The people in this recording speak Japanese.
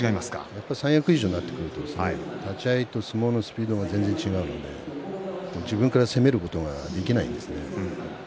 やっぱり三役以上になってくると立ち合いと相撲のスピードが全然違うので自分から攻めることができないんですね。